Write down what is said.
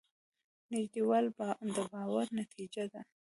نږدېوالی د باور نتیجه ده.